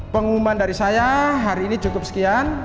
pengumuman dari saya hari ini cukup sekian